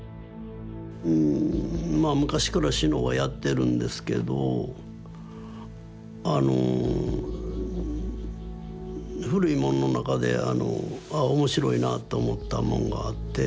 まあ昔から志野はやってるんですけどあの古いもんの中であのああ面白いなって思ったもんがあって。